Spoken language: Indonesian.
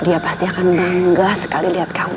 dia pasti akan bangga sekali lihat kamu